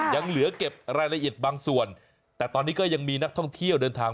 ยังเหลือเก็บรายละเอียดบางส่วนแต่ตอนนี้ก็ยังมีนักท่องเที่ยวเดินทาง